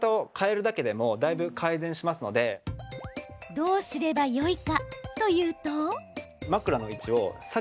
どうすればいいかというと。